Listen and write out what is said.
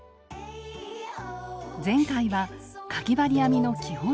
前回はかぎ針編みの基本